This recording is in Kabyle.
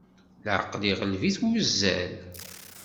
Leɛqel iɣleb-it wuzzal.